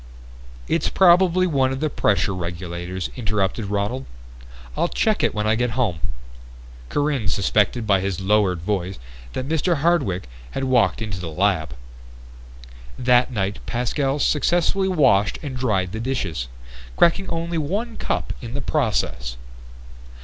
"It's probably one of the pressure regulators," interrupted Ronald. "I'll check it when I get home." Corinne suspected by his lowered voice that Mr. Hardwick had walked into the lab. That night Pascal successfully washed and dried the dishes, cracking only one cup in the process.